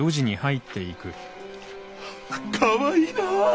かわいいな。